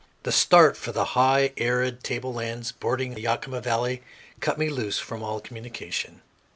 The start for the high, arid table lands bordering the Yakima valley cut me loose from all communication.